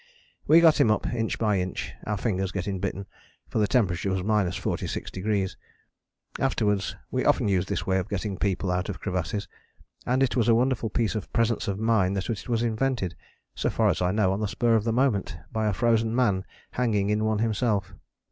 We got him up inch by inch, our fingers getting bitten, for the temperature was 46°. Afterwards we often used this way of getting people out of crevasses, and it was a wonderful piece of presence of mind that it was invented, so far as I know, on the spur of the moment by a frozen man hanging in one himself.